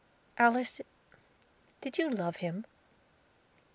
"Alice, did you love him?"